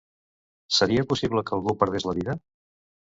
Seria possible que algú perdés la vida?